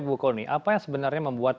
bu kony apa yang sebenarnya membuat